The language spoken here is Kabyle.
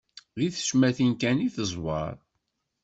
Di tecmatin kan i teẓwer.